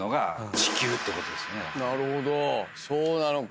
そうなのか。